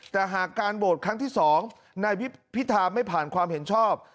แต่หากการโหวตครั้งที่๒นายพิธาไม่ผ่านความเห็นชอบ